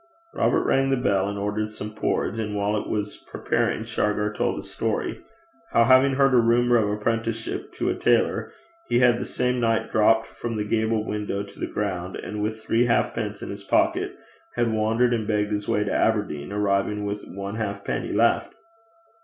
Robert rang the bell and ordered some porridge, and while it was preparing, Shargar told his story how having heard a rumour of apprenticeship to a tailor, he had the same night dropped from the gable window to the ground, and with three halfpence in his pocket had wandered and begged his way to Aberdeen, arriving with one halfpenny left.